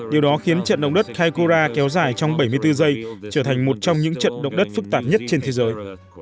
điều đó khiến trận động đất hay kora kéo dài trong bảy mươi bốn giây trở thành một trong những trận động đất phức tạp nhất trên thế giới